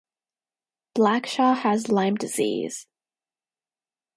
Blackshaw has Lyme disease.